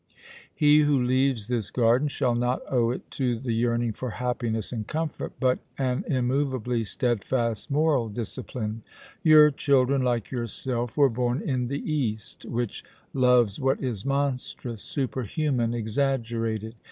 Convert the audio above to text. He who leaves this garden shall not owe to it the yearning for happiness and comfort, but an immovably steadfast moral discipline. Your children, like yourself, were born in the East, which loves what is monstrous, superhuman, exaggerated.